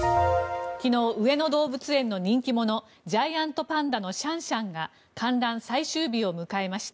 昨日、上野動物園の人気者ジャイアントパンダのシャンシャンが観覧最終日を迎えました。